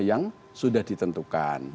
yang sudah ditentukan